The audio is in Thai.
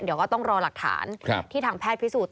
เดี๋ยวก็ต้องรอหลักฐานที่ทางแพทย์พิสูจน